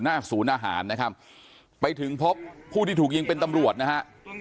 หน้าศูนย์อาหารนะครับไปถึงพบผู้ที่ถูกยิงเป็นตำรวจนะฮะ